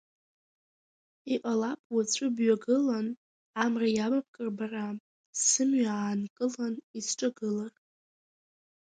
Иҟалап уаҵәы бҩагылан, Амра иамабкыр бара, сымҩа аакнылан исҿагылар.